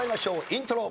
イントロ。